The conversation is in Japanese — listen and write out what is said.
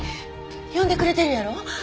読んでくれてるやろ？